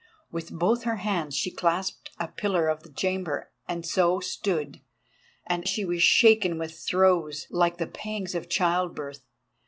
With both her hands she clasped a pillar of the chamber, and so stood, and she was shaken with throes like the pangs of childbirth.